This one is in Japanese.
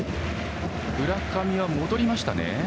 浦上は戻りましたね。